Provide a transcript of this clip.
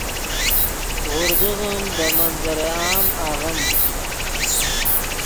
غوردغّیم دے منظر عام آغیم